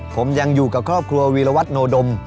ผมยังอยู่กับครอบครัววีรวัตโนดม